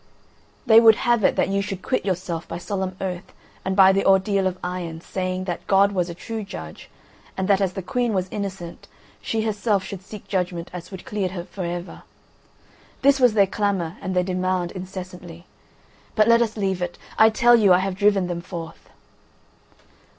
"They would have it that you should quit yourself by solemn oath and by the ordeal of iron, saying 'that God was a true judge, and that as the Queen was innocent, she herself should seek such judgment as would clear her for ever.' This was their clamour and their demand incessantly. But let us leave it. I tell you, I have driven them forth."